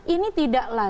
ini tidak akan berhasil